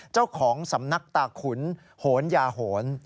เจ้าของสำนักตาขุนโหนยาโหน